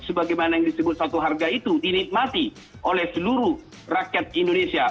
sebagaimana yang disebut satu harga itu dinikmati oleh seluruh rakyat indonesia